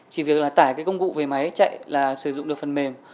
chỉ việc là tải cái công cụ về máy chạy là sử dụng được phần mềm